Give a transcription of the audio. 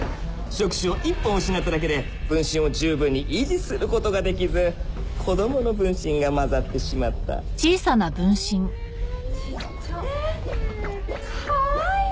触手を１本失っただけで分身を十分に維持することができず子供の分身が混ざってしまったちっちゃえーカワイイ！